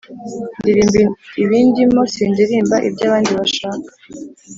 Ndirimba ibindimo sindirimba ibyo abandi bashaka